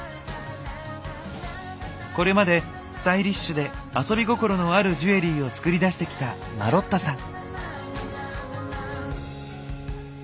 これまでスタイリッシュで遊び心のあるジュエリーを作り出してきたマロッタさん。